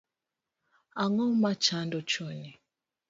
Ang'oma chando chunyi